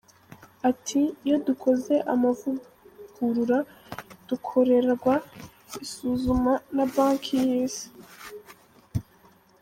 Ati” Iyo dukoze amavugurura, dukorerwa isuzuma na Banki y’Isi.